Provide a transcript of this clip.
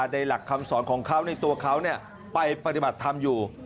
ในหลักคำสอนของเขาในตัวเขาไปปฏิบัติธรรมอยู่